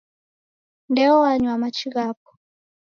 Ndeo wanywa machi ghapo.